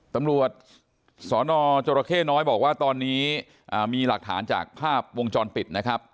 ตำรวจสนจรเข้น้อยบอกว่าตอนนี้มีหลักฐานจากภาพวงจรปิดนะครับ